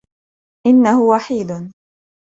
إنه وحيد.